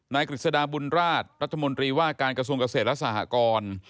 กฤษฎาบุญราชรัฐมนตรีว่าการกระทรวงเกษตรและสหกร